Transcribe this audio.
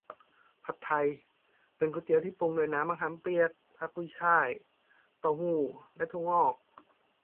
ผัดไทย เป็นก๋วยเตี๋ยวที่ปรุงด้วยน้ำมะขามเปียก ผักกุ้ยฉ่าย เต้าหู้ และถั่วงอก